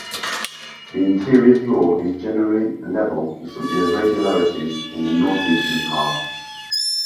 The interior floor is generally level with some irregularities in the northeastern part.